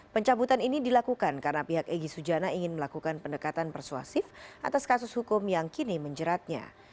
pencabutan ini dilakukan karena pihak egy sujana ingin melakukan pendekatan persuasif atas kasus hukum yang kini menjeratnya